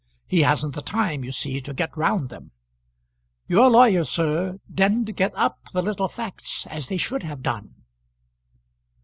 He hasn't the time, you see, to get round them. Your lawyers, sir, didn't get up the little facts as they should have done."